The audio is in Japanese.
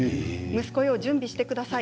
息子よ、準備してください。